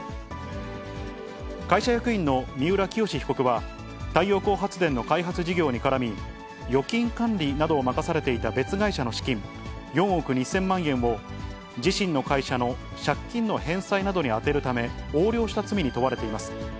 会社役員の三浦清志被告は、太陽光発電の開発事業にからみ、預金管理などを任されていた別会社の資金、４億２０００万円を自身の会社の借金の返済などに充てるため、横領した罪に問われています。